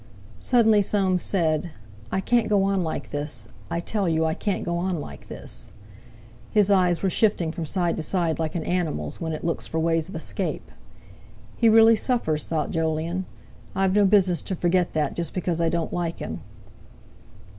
'" Suddenly Soames said: "I can't go on like this. I tell you, I can't go on like this." His eyes were shifting from side to side, like an animal's when it looks for way of escape. "He really suffers," thought Jolyon; "I've no business to forget that, just because I don't like him."